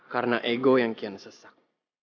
karena ego yang kian sesak